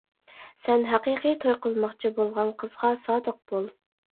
سەن ھەقىقىي توي قىلماقچى بولغان قىزغا سادىق بول.